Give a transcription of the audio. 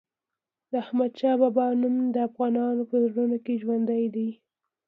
د احمد شاه بابا نوم د افغانانو په زړونو کې ژوندی دی.